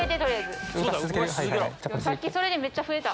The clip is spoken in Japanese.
さっきそれでめっちゃ増えた。